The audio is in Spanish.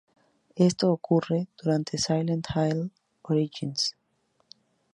Esto ocurre durante "Silent Hill: Origins".